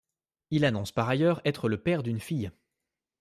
Il annonce par ailleurs être le père d'une fille.